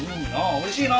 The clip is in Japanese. おいしいの！